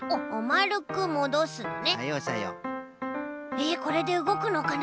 えこれでうごくのかな？